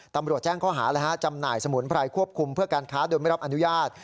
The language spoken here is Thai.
ตำรวจแจ้งข้อหาจำหน่ายสมุนไพรควบคุมเพื่อการค้าโดยไม่รับอนุญาต